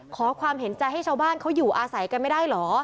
ขอความเห็นใจให้ชาวบ้านเขาอยู่อาศัยกันไม่ได้เหรอ